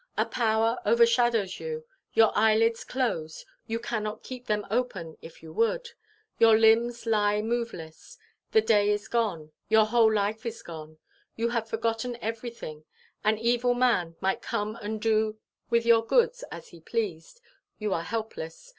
A power overshadows you; your eyelids close, you cannot keep them open if you would; your limbs lie moveless; the day is gone; your whole life is gone; you have forgotten everything; an evil man might come and do with your goods as he pleased; you are helpless.